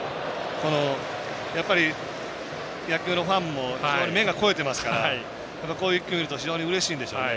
やっぱり野球のファンも非常に目が肥えてますからこういう１球を見ると非常にうれしいんでしょうね